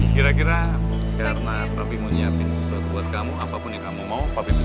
kira kira karena papi mau nyiapin sesuatu buat kamu apapun yang kamu mau pak pipi